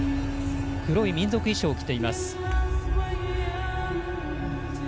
黒い民族衣装を着ています。